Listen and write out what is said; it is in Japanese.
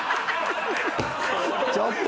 ちょっと！